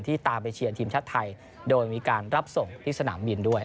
ตามไปเชียร์ทีมชาติไทยโดยมีการรับส่งที่สนามบินด้วย